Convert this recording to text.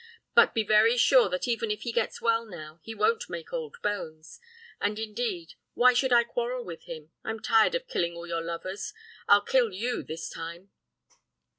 But be very sure that even if he gets well now, he won't make old bones. And, indeed, why should I quarrel with him? I'm tired of killing all your lovers; I'll kill you this time.